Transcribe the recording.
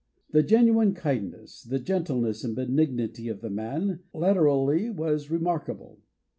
The genuine kindness, the gentleness and benignity of the man latterly were remarkable.